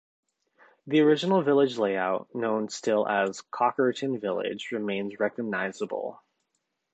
The original village layout, known still as "Cockerton Village", remains recognisable.